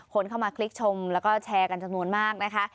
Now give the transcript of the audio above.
คนเข้ามาคลิกชมแล้วก็แชร์กันจำนวนมากนะคะ